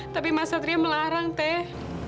tapi mas satria melarang teh